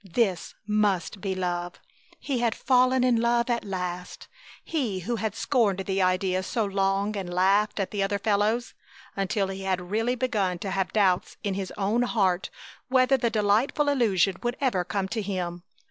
This must be love! He had fallen in love at last! He who had scorned the idea so long and laughed at the other fellows, until he had really begun to have doubts in his own heart whether the delightful illusion would ever come to him!